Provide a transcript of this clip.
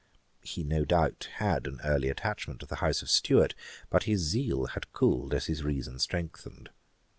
' He no doubt had an early attachment to the House of Stuart; but his zeal had cooled as his reason strengthened.